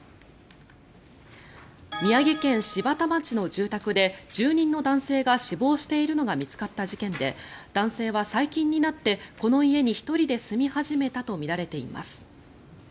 宮城県柴田町の住宅で住人の男性が死亡しているのが見つかった事件で男性は最近になってこの家に１人で住み始めたとみられています。